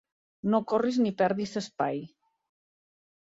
No corris ni perdis s'espai.